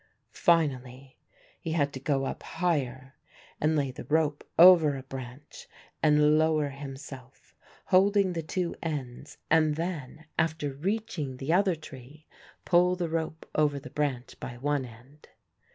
Finally he had to go up higher and lay the rope over a branch and lower himself, holding the two ends and then, after reaching the other tree, pull the rope over the branch by one end.